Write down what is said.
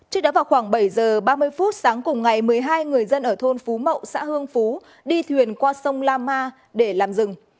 trước đó vào khoảng bảy giờ ba mươi phút sáng cùng ngày một mươi hai người dân ở thôn phú mậu xã hương phú đi thuyền qua sông la ma để làm rừng